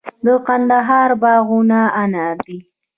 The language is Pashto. د کندهار باغونه انار دي